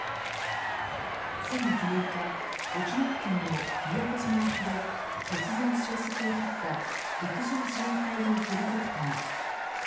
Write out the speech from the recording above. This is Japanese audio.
先月６日、沖縄県の宮古島沖で突然消息を絶った陸上自衛隊のヘリコプター。